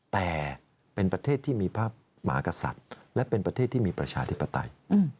แต่เป็นประเทศที่มีพระมหากษัตริย์และเป็นประเทศที่มีประชาธิปไตย